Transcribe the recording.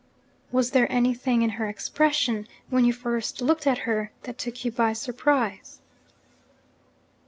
'Was there anything in her expression, when you first looked at her, that took you by surprise?'